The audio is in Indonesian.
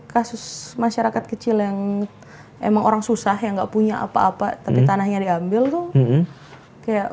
kasus masyarakat kecil yang emang orang susah yang nggak punya apa apa tapi tanahnya diambil tuh kayak